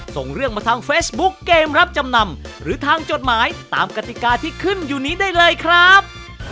ส่งเรื่องมาทางเฟซบุ๊กเกมรับจำนำหรือทางจดหมายตามกติกาที่ขึ้นอยู่นี้ได้เลยครับ